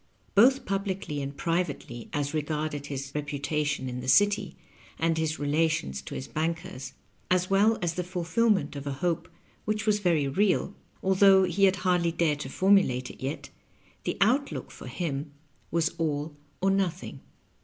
Both publicly and privately, as regarded his reputation in the city, and his relations to his bankers, as well as the fulfillment of a hope which was very real, although he had hardly dared to formulate it yet, the out look for him was all or nothing.